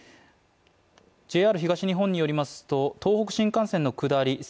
ＪＲ東日本によりますと、東北新幹線の下り